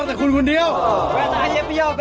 สกิดยิ้ม